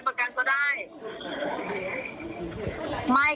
ไม่ก็ตอนที่เป็น